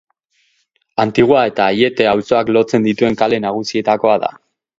Antigua eta Aiete auzoak lotzen dituen kale nagusietakoa da.